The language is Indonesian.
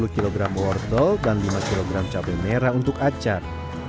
sepuluh kilogram wortel dan lima kilogram cabai merah untuk acar